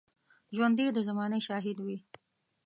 ژوندي د زمانې شاهد وي